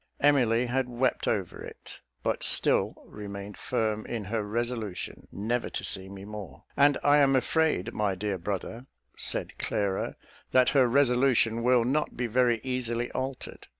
Emily had wept over it, but still remained firm in her resolution never to see me more "And I am afraid, my dear brother," said Clara, "that her resolution will not be very easily altered.